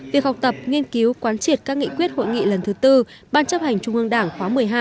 việc học tập nghiên cứu quán triệt các nghị quyết hội nghị lần thứ tư ban chấp hành trung ương đảng khóa một mươi hai